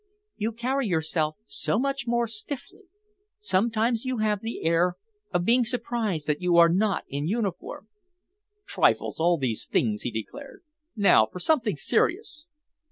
"You carry yourself so much more stiffly. Sometimes you have the air of being surprised that you are not in uniform." "Trifles, all these things," he declared. "Now for something serious?"